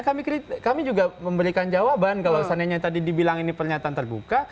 kami juga memberikan jawaban kalau seandainya tadi dibilang ini pernyataan terbuka